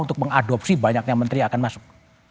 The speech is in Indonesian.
untuk mengadopsi banyaknya menteri yang akan masuk